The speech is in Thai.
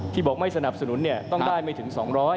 บอกไม่สนับสนุนต้องได้ไม่ถึง๒๐๐